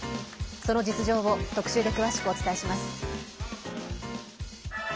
その実情を特集で詳しくお伝えします。